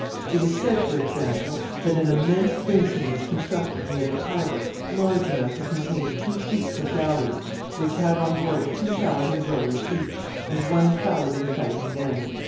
It is said, for example, that an immense basin was constructed near the Tiber, large enough to contain two fleets of galleys, which had on board two thousand rowers each, and one thousand fighting men.